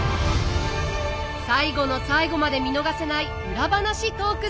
最後の最後まで見逃せないウラ話トーク